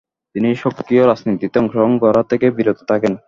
তিনি সক্রিয় রাজনীতিতে অংশগ্রহণ করা থেকে বিরত থাকেন।